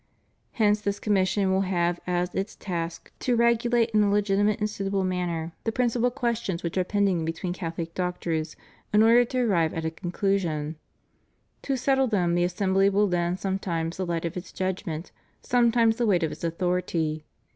Hence this commission will have as its task to regmate in a legitimate and suitable manner the principal ques 542 THE BIBLICAL COMMISSION. tions which are pending between Catholic doctors in order to arrive at a conclusion. To settle them the assembly will lend sometimes the hght of its judgment, sometimes the weight of its authority.